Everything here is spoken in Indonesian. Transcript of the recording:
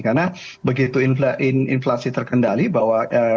karena begitu inflasi terkendali bahwa